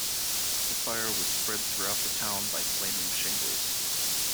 The fire was spread throughout the town by flaming shingles.